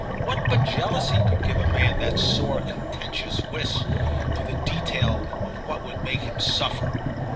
What but jealousy could give a man that sore contentious wish for the detail of what would make him suffer?